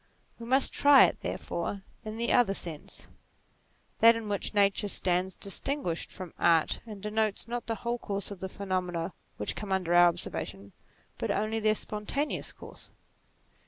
We must try it therefore in the other sense, that in which Nature stands distinguished from Art, and denotes, not the whole course of the pheno mena which come under our observation, but only their spontaneous course.